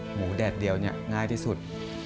หมูแดดเดียวเนี่ยง่ายที่สุด